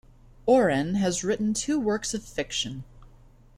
Oren has written two works of fiction.